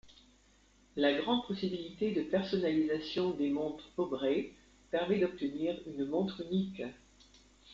La grande possibilité de personnalisation des montres Obrey permet d'obtenir une montre unique.